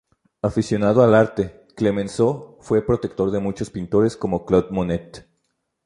Aficionado al arte, Clemenceau fue protector de muchos pintores como Claude Monet.